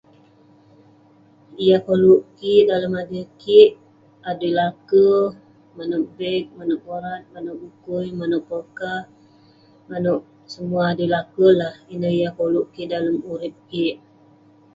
Yah koluk kik dalem adui kik, adui laker, manouk beg , manouk borat, manouk bukui, manouk pokah. Manouk semuah adui laker lah. Ineh yah koluk kik dalem urip kik.